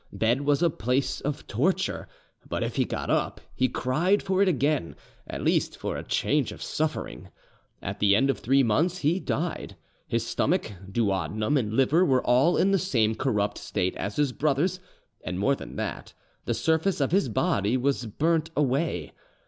Bed was a place of torture; but if he got up, he cried for it again, at least for a change of suffering. At the end of three months he died. His stomach, duodenum, and liver were all in the same corrupt state as his brother's, and more than that, the surface of his body was burnt away.